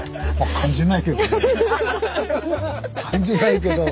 感じないけど。